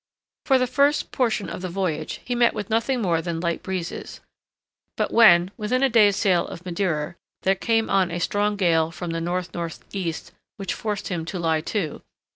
For the first portion of the voyage he met with nothing more than light breezes; but when within a day's sail of Madeira there came on a strong gale from the N. N. E. which forced him to lie to.